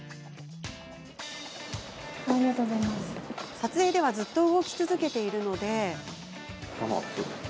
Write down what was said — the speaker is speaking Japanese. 撮影ではずっと動き続けているので。